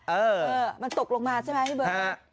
เอ่อมันตกลงมาใช่ไหมเห้ยเบิร์ด